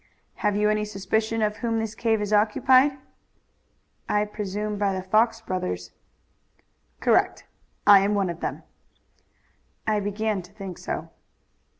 "Have you any suspicion by whom this cave is occupied?" "I presume by the Fox brothers." "Correct. I am one of them." "I began to think so."